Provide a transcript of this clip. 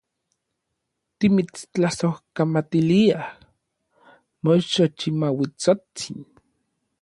Timitstlasojkamatiliaj, moxochimauitsotsin.